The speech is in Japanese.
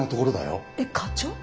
えっ課長？